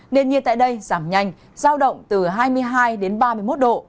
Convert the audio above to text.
nền nhiệt tại đây giảm nhanh giao động từ hai mươi hai đến ba mươi một độ